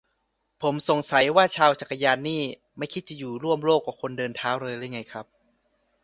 ผมสงสัยว่าชาวจักรยานนี่ไม่คิดจะอยู่ร่วมโลกกับคนเดินเท้าเลยหรือไงครับ